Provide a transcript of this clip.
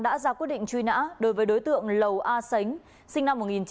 đã ra quyết định truy nã đối với đối tượng lầu a sánh sinh năm một nghìn chín trăm tám mươi